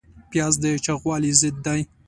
پیاز د چاغوالي ضد دی